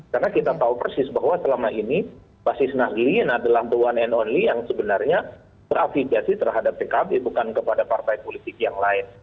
karena kita tahu persis bahwa selama ini basisnah gliin adalah doan nonli yang sebenarnya berafibiasi terhadap pkb bukan kepada partai politik yang lain